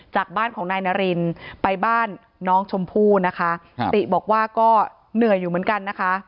จากบ้านของนายนารินไปบ้านน้องชมพู่นะคะติบอกว่าก็เหนื่อยอยู่เหมือนกันนะคะ